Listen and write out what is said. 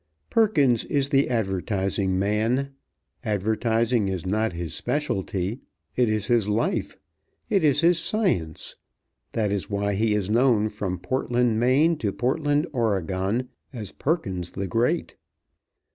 Perkins is the advertising man. Advertising is not his specialty. It is his life; it is his science. That is why he is known from Portland, Me., to Portland, Oreg., as Perkins the Great.